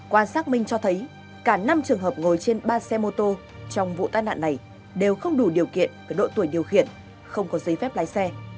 qua xác minh cho thấy cả năm trường hợp ngồi trên ba xe mô tô trong vụ tai nạn này đều không đủ điều kiện về độ tuổi điều khiển không có giấy phép lái xe